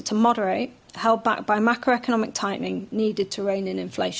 dihadapi dengan peningkatan makroekonomi yang diperlukan untuk menanggung inflasi